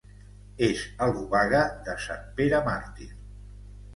És a l'Obaga de Sant Pere Màrtir.